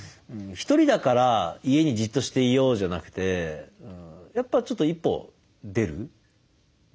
「ひとりだから家にじっとしていよう」じゃなくてやっぱちょっと一歩出る。